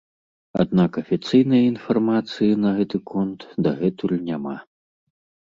Аднак афіцыйнай інфармацыі на гэты конт дагэтуль няма.